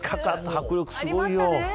迫力すごいよ。